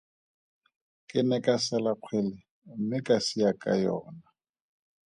Ke ne ka sela kgwele mme ka sia ka yona.